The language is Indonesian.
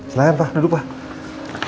selamat pak duduk pak